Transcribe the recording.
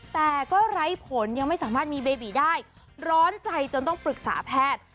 แต่ก็ไร้ผลยังไม่สามารถมีเบบีได้ร้อนใจจนต้องปรึกษาแพทย์